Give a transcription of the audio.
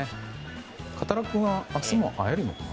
カタルくんは明日も会えるのかな？